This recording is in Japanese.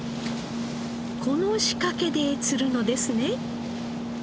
この仕掛けで釣るのですね。